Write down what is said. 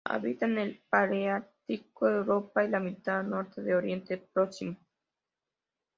Habita en el paleártico: Europa y la mitad norte de Oriente Próximo.